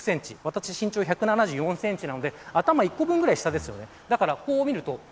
私、身長１７４センチなので頭１個分ぐらい下です。